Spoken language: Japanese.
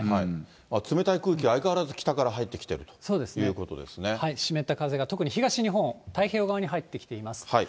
冷たい空気、相変わらず北から入ってきているということですそうですね、湿った風が特に東日本、太平洋側に入ってきています。